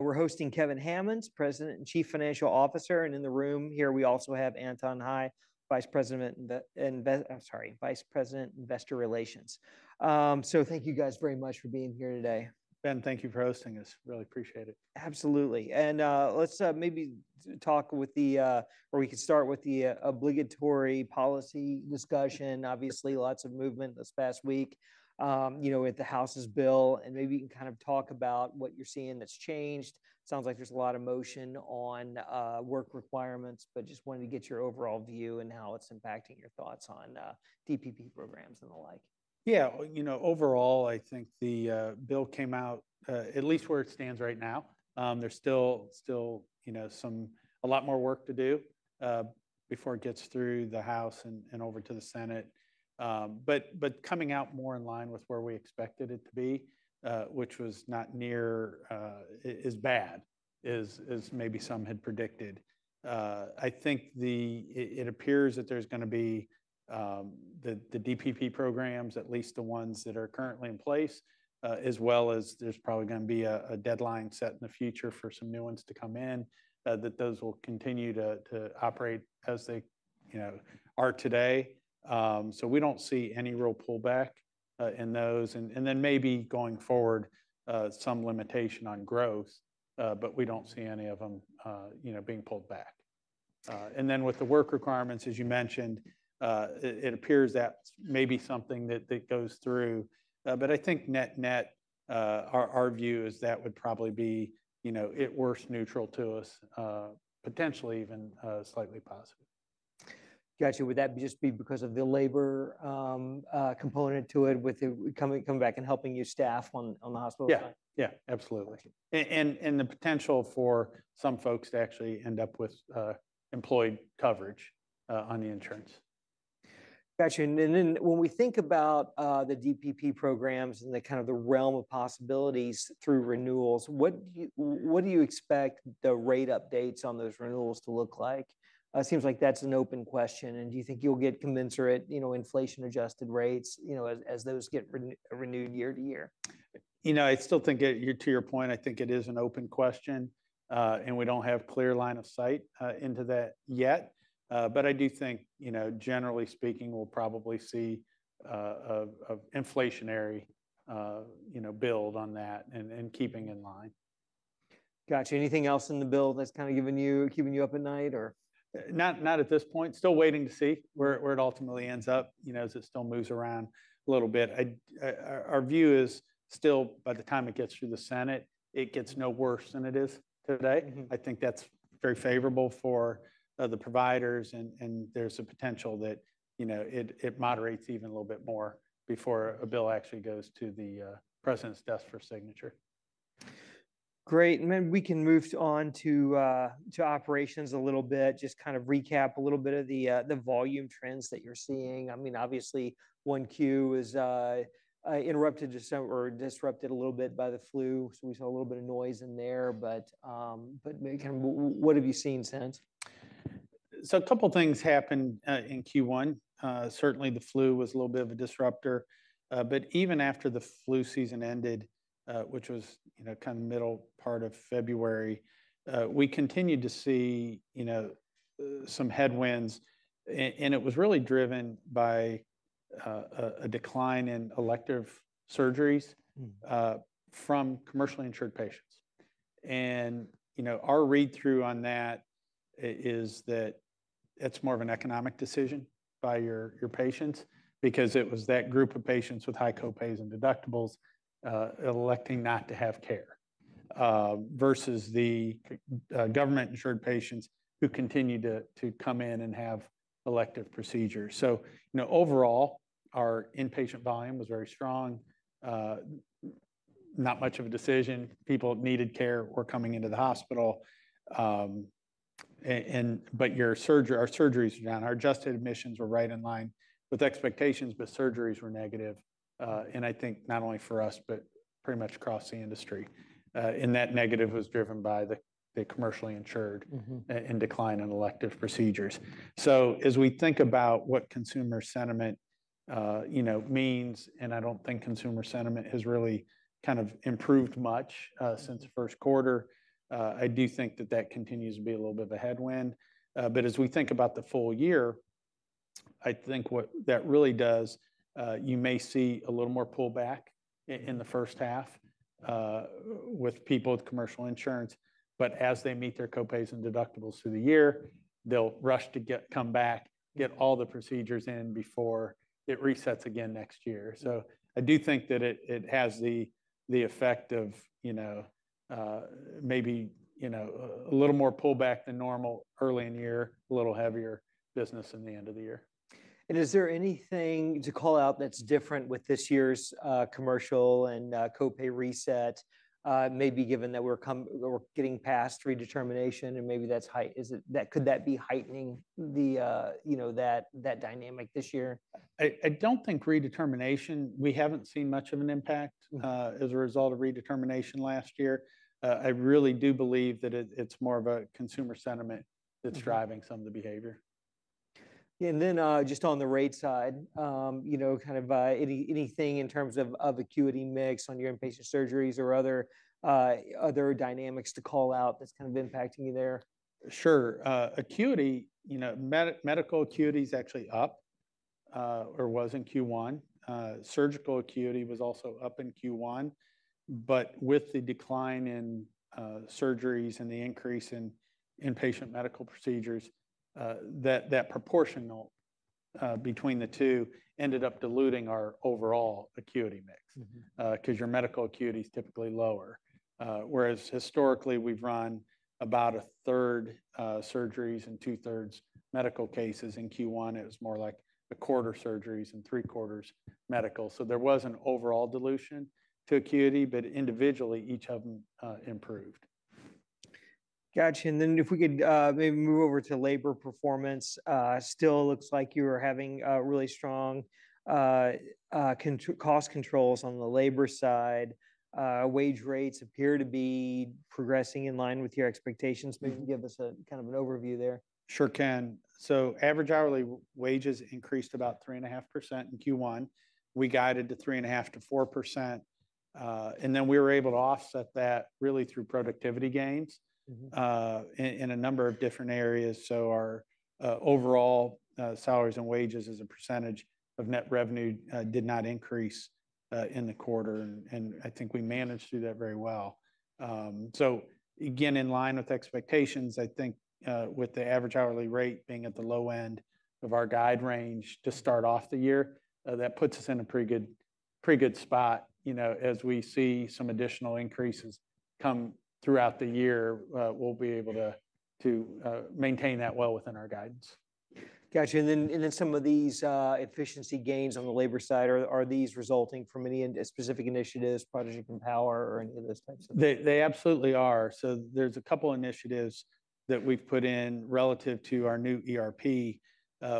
We're hosting Kevin Hammons, President and Chief Financial Officer. In the room here, we also have Anton Hie, Vice President, Investor Relations. Thank you guys very much for being here today. Ben, thank you for hosting us. Really appreciate it. Absolutely. Let's maybe talk with the—or we could start with the obligatory policy discussion. Obviously, lots of movement this past week with the House's bill. Maybe you can kind of talk about what you're seeing that's changed. Sounds like there's a lot of motion on work requirements, but just wanted to get your overall view and how it's impacting your thoughts on DPP programs and the like. Yeah. Overall, I think the bill came out at least where it stands right now. There's still a lot more work to do before it gets through the House and over to the Senate. Coming out more in line with where we expected it to be, which was not near as bad as maybe some had predicted. I think it appears that there's going to be the DPP programs, at least the ones that are currently in place, as well as there's probably going to be a deadline set in the future for some new ones to come in, that those will continue to operate as they are today. We don't see any real pullback in those. Maybe going forward, some limitation on growth, but we don't see any of them being pulled back. With the work requirements, as you mentioned, it appears that may be something that goes through. I think net net, our view is that would probably be at worst neutral to us, potentially even slightly positive. Gotcha. Would that just be because of the labor component to it with coming back and helping your staff on the hospital side? Yeah. Yeah, absolutely. The potential for some folks to actually end up with employee coverage on the insurance. Gotcha. When we think about the DPP programs and kind of the realm of possibilities through renewals, what do you expect the rate updates on those renewals to look like? It seems like that's an open question. Do you think you'll get commensurate inflation-adjusted rates as those get renewed year to year? You know, I still think, to your point, I think it is an open question. We do not have a clear line of sight into that yet. I do think, generally speaking, we will probably see an inflationary build on that and keeping in line. Gotcha. Anything else in the bill that's kind of keeping you up at night, or? Not at this point. Still waiting to see where it ultimately ends up as it still moves around a little bit. Our view is still, by the time it gets through the Senate, it gets no worse than it is today. I think that's very favorable for the providers. There is a potential that it moderates even a little bit more before a bill actually goes to the President's desk for signature. Great. Then we can move on to operations a little bit, just kind of recap a little bit of the volume trends that you're seeing. I mean, obviously, one Q was interrupted or disrupted a little bit by the flu. We saw a little bit of noise in there. Kind of what have you seen since? A couple of things happened in Q1. Certainly, the flu was a little bit of a disruptor. Even after the flu season ended, which was kind of middle part of February, we continued to see some headwinds. It was really driven by a decline in elective surgeries from commercially insured patients. Our read-through on that is that it is more of an economic decision by your patients because it was that group of patients with high copays and deductibles electing not to have care versus the government-insured patients who continue to come in and have elective procedures. Overall, our inpatient volume was very strong. Not much of a decision. People needed care or coming into the hospital. Our surgeries were down. Our adjusted admissions were right in line with expectations, but surgeries were negative. I think not only for us, but pretty much across the industry. That negative was driven by the commercially insured and decline in elective procedures. As we think about what consumer sentiment means, and I do not think consumer sentiment has really kind of improved much since the first quarter, I do think that that continues to be a little bit of a headwind. As we think about the full year, I think what that really does, you may see a little more pullback in the first half with people with commercial insurance. As they meet their copays and deductibles through the year, they will rush to come back, get all the procedures in before it resets again next year. I do think that it has the effect of maybe a little more pullback than normal early in the year, a little heavier business in the end of the year. Is there anything to call out that's different with this year's commercial and copay reset, maybe given that we're getting past redetermination? Could that be heightening that dynamic this year? I do not think redetermination—we have not seen much of an impact as a result of redetermination last year. I really do believe that it is more of a consumer sentiment that is driving some of the behavior. Yeah. And then just on the rate side, kind of anything in terms of acuity mix on your inpatient surgeries or other dynamics to call out that's kind of impacting you there? Sure. Acuity, medical acuity is actually up or was in Q1. Surgical acuity was also up in Q1. With the decline in surgeries and the increase in inpatient medical procedures, that proportional between the two ended up diluting our overall acuity mix because your medical acuity is typically lower. Whereas historically, we've run about a third surgeries and two-thirds medical cases. In Q1, it was more like a quarter surgeries and three-quarters medical. There was an overall dilution to acuity, but individually, each of them improved. Gotcha. If we could maybe move over to labor performance, still looks like you were having really strong cost controls on the labor side. Wage rates appear to be progressing in line with your expectations. Maybe you can give us kind of an overview there. Sure can. Average hourly wages increased about 3.5% in Q1. We guided to 3.5%-4%. We were able to offset that really through productivity gains in a number of different areas. Our overall salaries and wages as a percentage of net revenue did not increase in the quarter. I think we managed to do that very well. In line with expectations, I think with the average hourly rate being at the low end of our guide range to start off the year, that puts us in a pretty good spot. As we see some additional increases come throughout the year, we'll be able to maintain that well within our guidance. Gotcha. Some of these efficiency gains on the labor side, are these resulting from any specific initiatives, Project Empower, or any of those types of things? They absolutely are. There are a couple of initiatives that we've put in relative to our new ERP.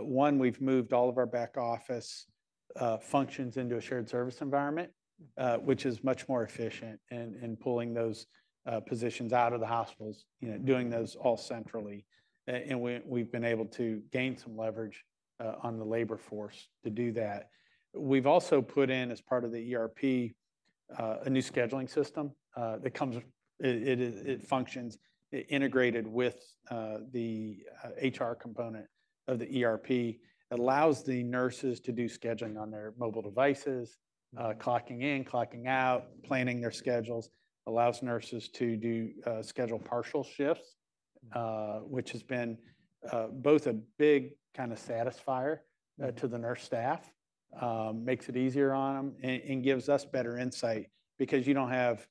One, we've moved all of our back office functions into a shared service environment, which is much more efficient in pulling those positions out of the hospitals, doing those all centrally. We've been able to gain some leverage on the labor force to do that. We've also put in, as part of the ERP, a new scheduling system that functions integrated with the HR component of the ERP. It allows the nurses to do scheduling on their mobile devices, clocking in, clocking out, planning their schedules. It allows nurses to schedule partial shifts, which has been both a big kind of satisfier to the nurse staff, makes it easier on them, and gives us better insight because you do not have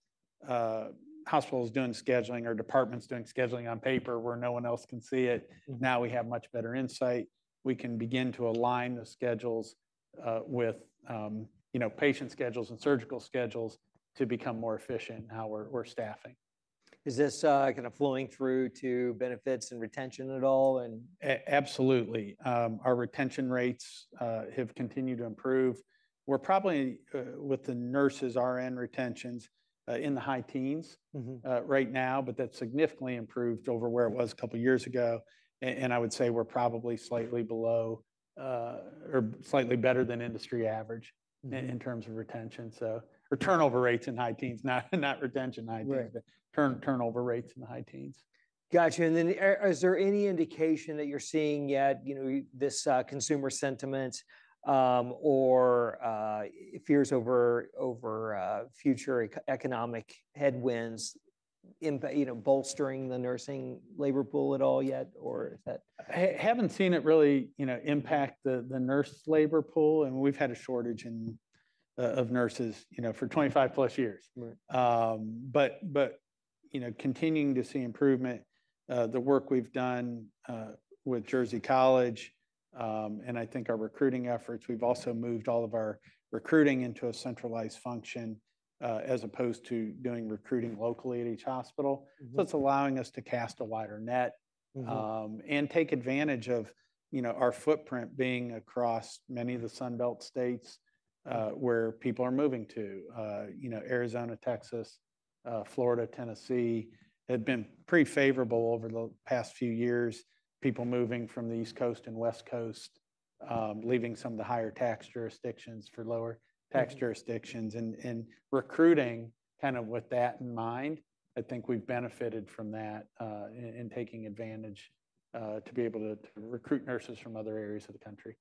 hospitals doing scheduling or departments doing scheduling on paper where no one else can see it. Now we have much better insight. We can begin to align the schedules with patient schedules and surgical schedules to become more efficient in how we are staffing. Is this kind of flowing through to benefits and retention at all? Absolutely. Our retention rates have continued to improve. We're probably, with the nurses' RN retentions, in the high teens right now, but that's significantly improved over where it was a couple of years ago. I would say we're probably slightly below or slightly better than industry average in terms of retention. Turnover rates in high teens, not retention high teens, but turnover rates in the high teens. Gotcha. Is there any indication that you're seeing yet this consumer sentiment or fears over future economic headwinds bolstering the nursing labor pool at all yet, or is that? Haven't seen it really impact the nurse labor pool. We've had a shortage of nurses for 25-plus years. Continuing to see improvement, the work we've done with Jersey College and I think our recruiting efforts, we've also moved all of our recruiting into a centralized function as opposed to doing recruiting locally at each hospital. It's allowing us to cast a wider net and take advantage of our footprint being across many of the Sunbelt states where people are moving to Arizona, Texas, Florida, Tennessee have been pretty favorable over the past few years, people moving from the East Coast and West Coast, leaving some of the higher tax jurisdictions for lower tax jurisdictions. Recruiting, kind of with that in mind, I think we've benefited from that and taking advantage to be able to recruit nurses from other areas of the country.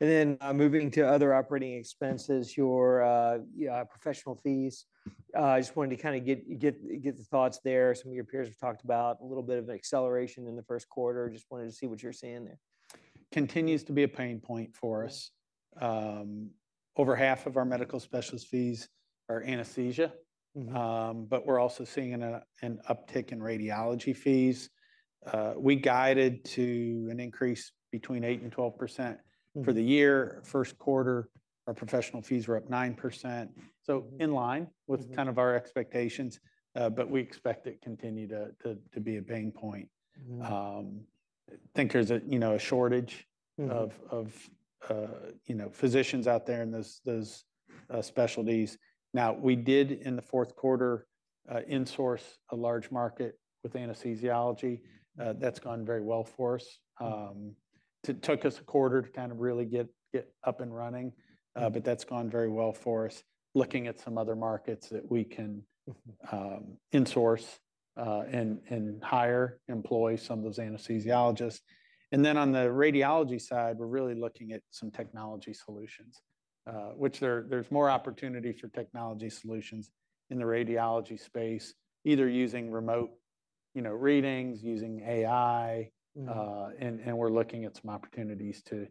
Moving to other operating expenses, your professional fees, I just wanted to kind of get the thoughts there. Some of your peers have talked about a little bit of an acceleration in the first quarter. Just wanted to see what you're seeing there. Continues to be a pain point for us. Over half of our medical specialist fees are anesthesia. We are also seeing an uptick in radiology fees. We guided to an increase between 8% and 12% for the year. First quarter, our professional fees were up 9%, so in line with kind of our expectations. We expect it to continue to be a pain point. I think there is a shortage of physicians out there in those specialties. We did, in the fourth quarter, insource a large market with anesthesiology. That has gone very well for us. It took us a quarter to kind of really get up and running. That has gone very well for us, looking at some other markets that we can insource and hire, employ some of those anesthesiologists. On the radiology side, we're really looking at some technology solutions, which there's more opportunity for technology solutions in the radiology space, either using remote readings, using AI. We're looking at some opportunities to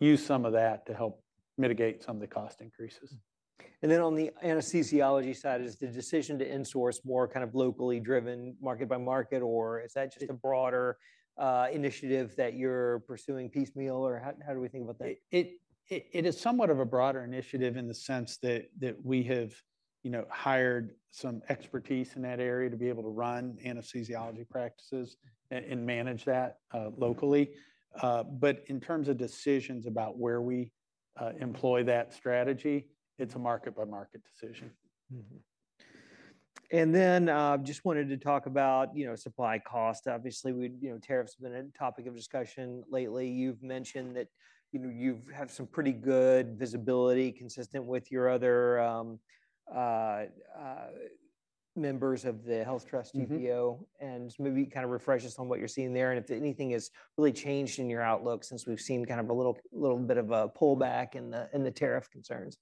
use some of that to help mitigate some of the cost increases. On the anesthesiology side, is the decision to insource more kind of locally driven, market by market, or is that just a broader initiative that you're pursuing piecemeal, or how do we think about that? It is somewhat of a broader initiative in the sense that we have hired some expertise in that area to be able to run anesthesiology practices and manage that locally. In terms of decisions about where we employ that strategy, it's a market by market decision. I just wanted to talk about supply cost. Obviously, tariffs have been a topic of discussion lately. You've mentioned that you have some pretty good visibility consistent with your other members of the Health Trust TPO. Maybe kind of refresh us on what you're seeing there. If anything has really changed in your outlook since we've seen kind of a little bit of a pullback in the tariff concerns.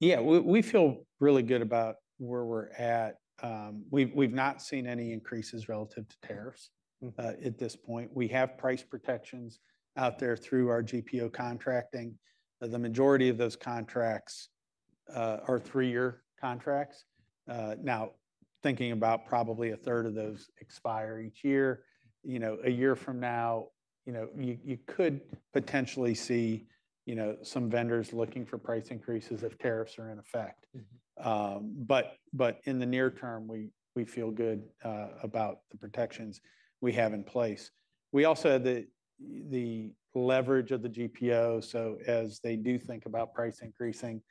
Yeah. We feel really good about where we're at. We've not seen any increases relative to tariffs at this point. We have price protections out there through our GPO contracting. The majority of those contracts are three-year contracts. Now, thinking about probably a third of those expire each year, a year from now, you could potentially see some vendors looking for price increases if tariffs are in effect. In the near term, we feel good about the protections we have in place. We also have the leverage of the GPO. As they do think about price increasing,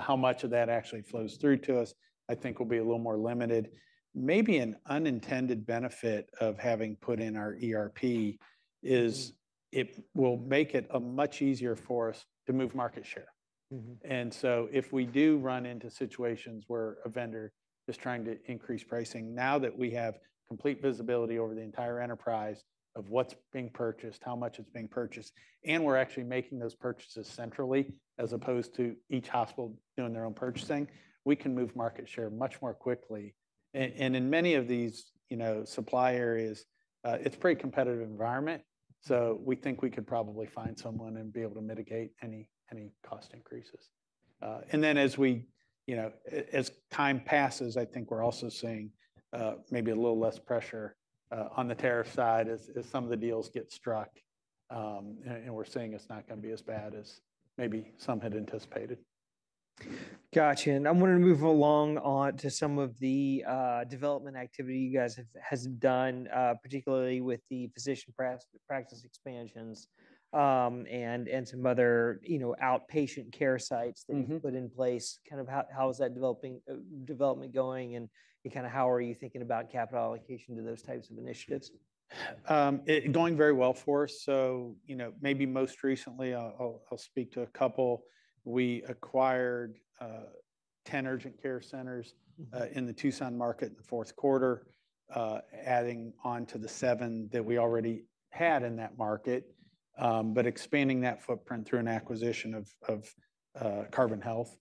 how much of that actually flows through to us, I think will be a little more limited. Maybe an unintended benefit of having put in our ERP is it will make it much easier for us to move market share. If we do run into situations where a vendor is trying to increase pricing, now that we have complete visibility over the entire enterprise of what's being purchased, how much it's being purchased, and we're actually making those purchases centrally as opposed to each hospital doing their own purchasing, we can move market share much more quickly. In many of these supply areas, it's a pretty competitive environment. We think we could probably find someone and be able to mitigate any cost increases. As time passes, I think we're also seeing maybe a little less pressure on the tariff side as some of the deals get struck. We're seeing it's not going to be as bad as maybe some had anticipated. Gotcha. I'm going to move along on to some of the development activity you guys have done, particularly with the physician practice expansions and some other outpatient care sites that you've put in place. Kind of how is that development going? Kind of how are you thinking about capital allocation to those types of initiatives? Going very well for us. Maybe most recently, I'll speak to a couple. We acquired 10 urgent care centers in the Tucson market in the fourth quarter, adding on to the seven that we already had in that market, but expanding that footprint through an acquisition of Carbon Health.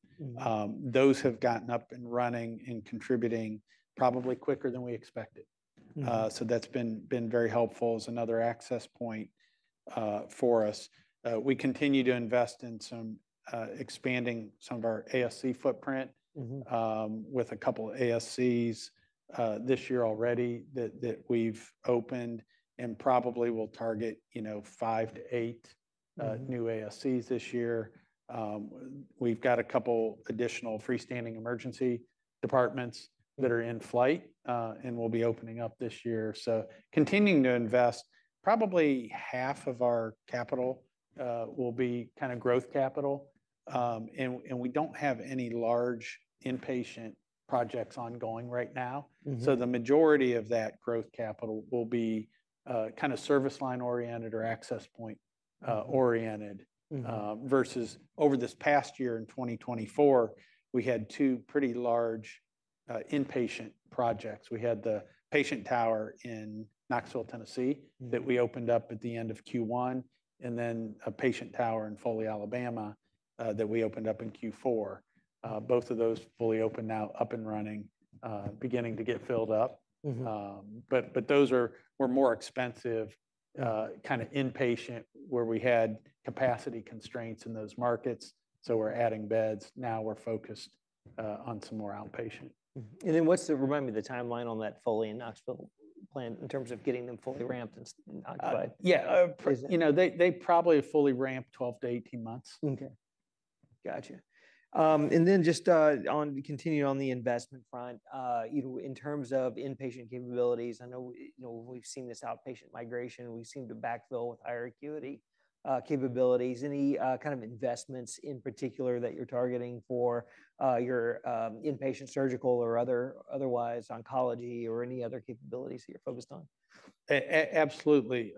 Those have gotten up and running and contributing probably quicker than we expected. That's been very helpful as another access point for us. We continue to invest in expanding some of our ASC footprint with a couple of ASCs this year already that we've opened and probably will target five to eight new ASCs this year. We've got a couple of additional freestanding emergency departments that are in flight and will be opening up this year. Continuing to invest, probably half of our capital will be kind of growth capital. We do not have any large inpatient projects ongoing right now. The majority of that growth capital will be kind of service line oriented or access point oriented versus over this past year in 2024. We had two pretty large inpatient projects. We had the patient tower in Knoxville, Tennessee that we opened up at the end of Q1, and then a patient tower in Foley, Alabama that we opened up in Q4. Both of those are fully open now, up and running, beginning to get filled up. Those were more expensive kind of inpatient where we had capacity constraints in those markets. We are adding beds. Now we are focused on some more outpatient. What is the timeline on that Foley and Knoxville plan in terms of getting them fully ramped and occupied? Yeah. They probably are fully ramped 12-18 months. Okay. Gotcha. Just continuing on the investment front, in terms of inpatient capabilities, I know we've seen this outpatient migration. We seem to backfill with higher acuity capabilities. Any kind of investments in particular that you're targeting for your inpatient surgical or otherwise oncology or any other capabilities that you're focused on? Absolutely.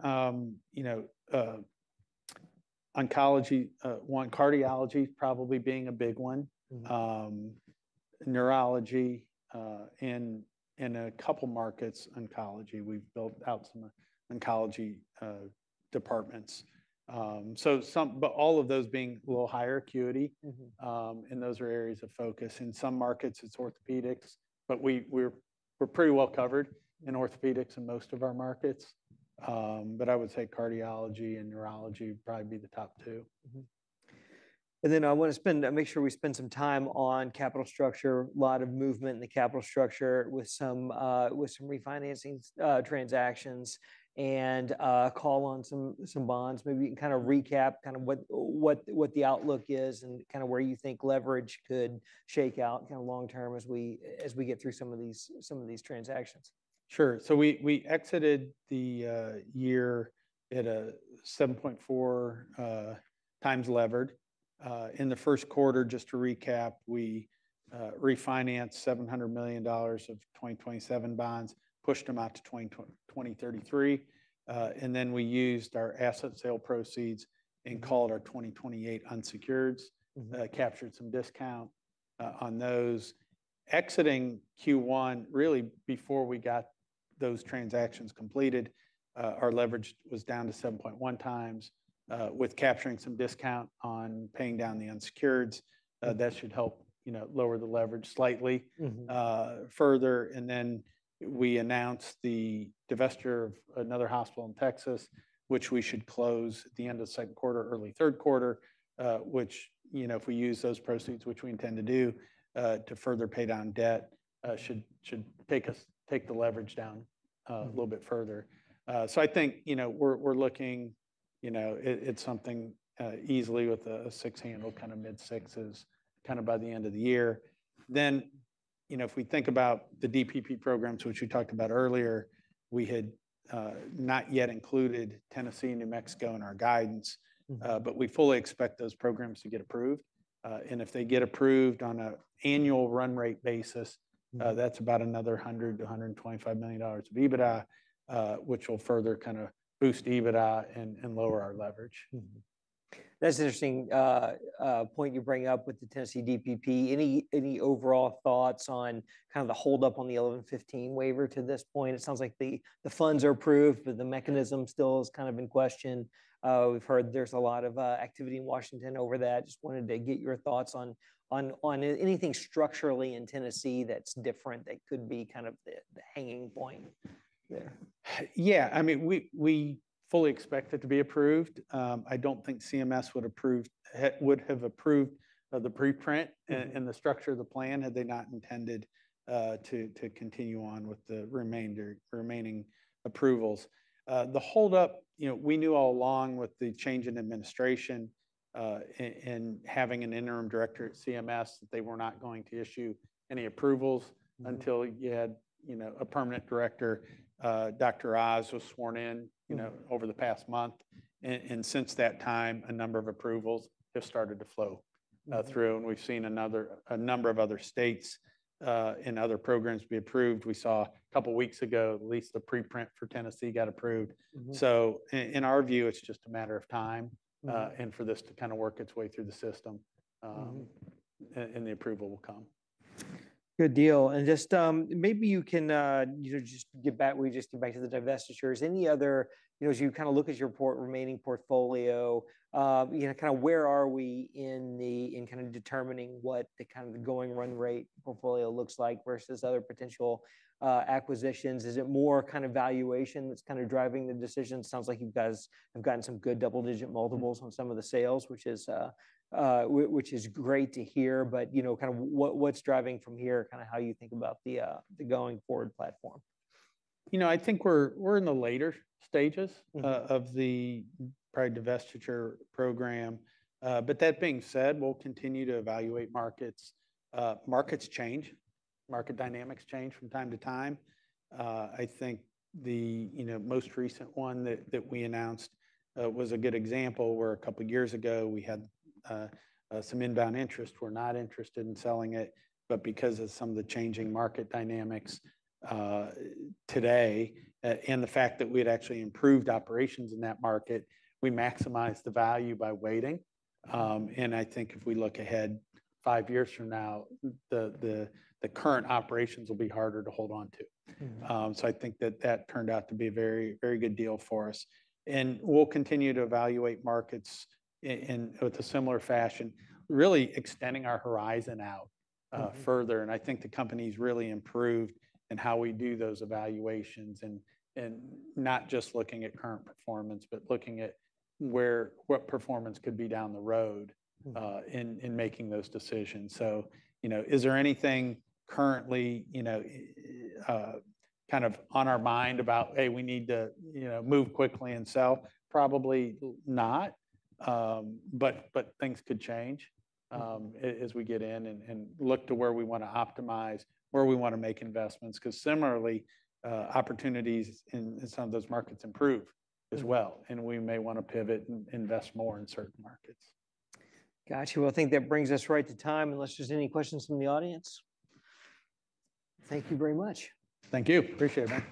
Oncology, one, cardiology is probably being a big one. Neurology and in a couple of markets, oncology. We have built out some oncology departments. All of those being a little higher acuity. Those are areas of focus. In some markets, it is orthopedics. We are pretty well covered in orthopedics in most of our markets. I would say cardiology and neurology would probably be the top two. I want to make sure we spend some time on capital structure, a lot of movement in the capital structure with some refinancing transactions and a call on some bonds. Maybe you can kind of recap what the outlook is and where you think leverage could shake out long term as we get through some of these transactions. Sure. We exited the year at a 7.4 times levered. In the first quarter, just to recap, we refinanced $700 million of 2027 bonds, pushed them out to 2033. We used our asset sale proceeds and called our 2028 unsecureds, captured some discount on those. Exiting Q1, really before we got those transactions completed, our leverage was down to 7.1 times. With capturing some discount on paying down the unsecureds, that should help lower the leverage slightly further. We announced the divestiture of another hospital in Texas, which we should close at the end of the second quarter, early third quarter, which if we use those proceeds, which we intend to do to further pay down debt, should take the leverage down a little bit further. I think we're looking at something easily with a six handle, kind of mid-sixes kind of by the end of the year. If we think about the DPP programs, which we talked about earlier, we had not yet included Tennessee and New Mexico in our guidance. We fully expect those programs to get approved. If they get approved on an annual run rate basis, that's about another $100-$125 million of EBITDA, which will further kind of boost EBITDA and lower our leverage. That's an interesting point you bring up with the Tennessee DPP. Any overall thoughts on kind of the holdup on the 1115 waiver to this point? It sounds like the funds are approved, but the mechanism still is kind of in question. We've heard there's a lot of activity in Washington over that. Just wanted to get your thoughts on anything structurally in Tennessee that's different that could be kind of the hanging point there. Yeah. I mean, we fully expect it to be approved. I don't think CMS would have approved the preprint and the structure of the plan had they not intended to continue on with the remaining approvals. The holdup, we knew all along with the change in administration and having an interim director at CMS that they were not going to issue any approvals until you had a permanent director. Dr. Oz was sworn in over the past month. Since that time, a number of approvals have started to flow through. We've seen a number of other states and other programs be approved. We saw a couple of weeks ago, at least the preprint for Tennessee got approved. In our view, it's just a matter of time for this to kind of work its way through the system and the approval will come. Good deal. Maybe you can just get back, we just get back to the divestitures. Any other, as you kind of look at your remaining portfolio, kind of where are we in determining what the kind of going run rate portfolio looks like versus other potential acquisitions? Is it more kind of valuation that's driving the decisions? Sounds like you guys have gotten some good double-digit multiples on some of the sales, which is great to hear. What's driving from here, how you think about the going forward platform? You know, I think we're in the later stages of the private divestiture program. That being said, we'll continue to evaluate markets. Markets change. Market dynamics change from time to time. I think the most recent one that we announced was a good example where a couple of years ago we had some inbound interest. We were not interested in selling it. Because of some of the changing market dynamics today and the fact that we had actually improved operations in that market, we maximized the value by waiting. I think if we look ahead five years from now, the current operations will be harder to hold on to. I think that turned out to be a very, very good deal for us. We'll continue to evaluate markets in a similar fashion, really extending our horizon out further. I think the company's really improved in how we do those evaluations and not just looking at current performance, but looking at what performance could be down the road in making those decisions. Is there anything currently kind of on our mind about, hey, we need to move quickly and sell? Probably not. Things could change as we get in and look to where we want to optimize, where we want to make investments. Similarly, opportunities in some of those markets improve as well. We may want to pivot and invest more in certain markets. Gotcha. I think that brings us right to time. Unless there's any questions from the audience? Thank you very much. Thank you. Appreciate it, Ben.